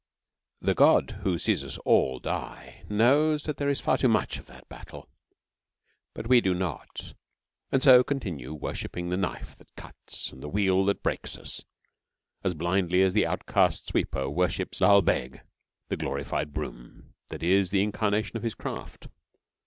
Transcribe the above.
The God Who sees us all die knows that there is far too much of that battle, but we do not, and so continue worshipping the knife that cuts and the wheel that breaks us, as blindly as the outcast sweeper worships Lal Beg the Glorified Broom that is the incarnation of his craft.